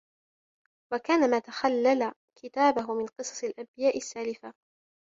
وَكَانَ مَا تَخَلَّلَ كِتَابَهُ مِنْ قَصَصِ الْأَنْبِيَاءِ السَّالِفَةِ